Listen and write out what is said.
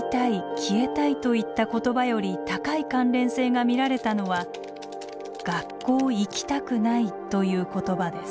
「消えたい」といった言葉より高い関連性が見られたのは「学校行きたくない」という言葉です。